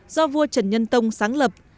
do vua trần nhân tông sáng lập